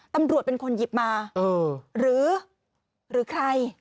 ตำรวจเป็นคนหยิบมาหรือใคร